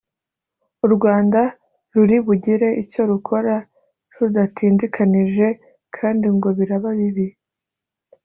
u Rwanda ruribugire icyo rukora rudatindikanije kandi ngo biraba bibi